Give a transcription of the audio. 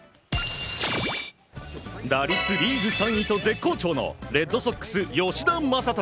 打率リーグ３位と絶好調のレッドソックス、吉田正尚。